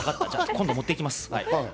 今度、持って行きます。